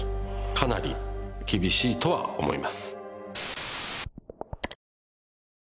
かなり厳しいとは思います。